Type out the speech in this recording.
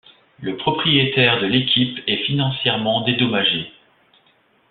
Le propriétaire de l'équipe est financièrement dédommagé.